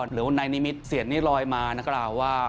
หรือว่านายนิมิตรเศียรนี้ลอยมานะครับว่า